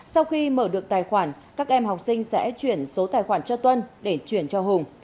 sau khi mở được tài khoản các em học sinh sẽ chuyển số tài khoản cho tuân để chuyển cho hùng